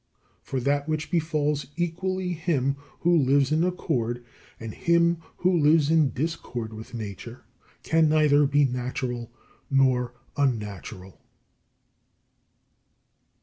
For that which befalls equally him who lives in accord, and him who lives in discord with Nature, can neither be natural nor unnatural.